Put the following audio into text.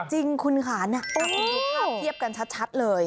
จริงคุณขานี่อาจจะรู้ภาพเทียบกันชัดเลย